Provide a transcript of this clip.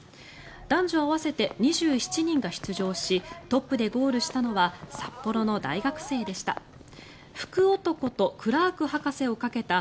男女合わせて２７人が出場しトップでゴールしたのは札幌の大学生でした。